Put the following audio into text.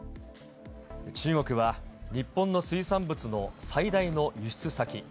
中国は、日本の水産物の最大の輸出先。